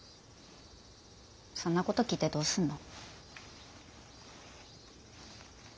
そんなこと聞いてどうすんの？